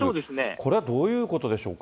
これはどういうことでしょう